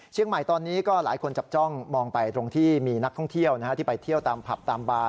เชียงใหม่ตอนนี้ก็หลายคนจับจ้องมองไปตรงที่มีนักท่องเที่ยวที่ไปเที่ยวตามผับตามบาร์